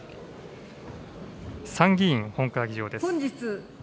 参議院本会議場です。